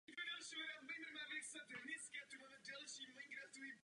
Je pohřben na Novém židovském hřbitově na Olšanech vedle svého otce.